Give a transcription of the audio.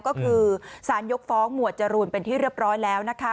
ก็คือสารยกฟ้องหมวดจรูนเป็นที่เรียบร้อยแล้วนะคะ